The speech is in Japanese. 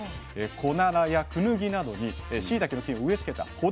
コナラやクヌギなどにしいたけの菌を植え付けたほだ